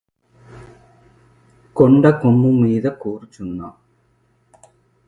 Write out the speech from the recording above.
కొండకొమ్ము మీద కూరుచున్న